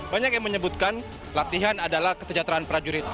banyak yang menyebutkan latihan adalah kesejahteraan prajurit